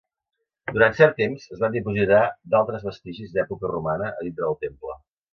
Durant cert temps, es van dipositar d'altres vestigis d'època romana a dintre del temple.